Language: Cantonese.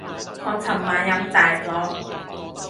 我尋晚飲大咗